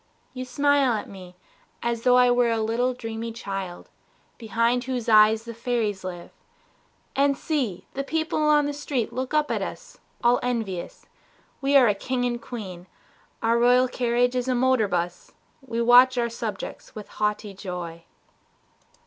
You smile at me As though I were a little dreamy child Behind whose eyes the fairies live. ... And see, The people on the street look up at us All envious. We are a king and queen, Our royal carriage is a motor bus, We watch our subjects with a haughty joy.